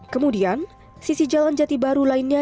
kemudian sisi jalan jati baru lainnya